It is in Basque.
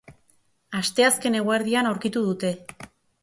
Asteazken eguerdian aurkitu dute.